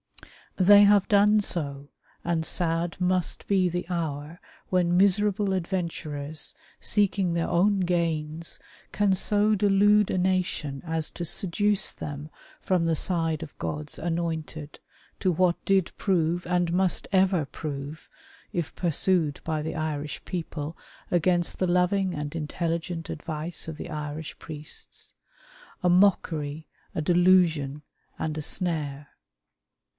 They have done so, and sad must be the hour when miserable adventurers, seeking their own gains, can so delude a nation as to seduce them from the side of God's anointed, to what did prove, and must ever prove, if pursued by the Irish people against the loving and intelligent advice of the Irish priests, " a mockery, a delusion, and a snare."